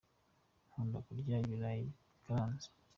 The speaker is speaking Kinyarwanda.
Nkunda kurya ibirayi bikaranze.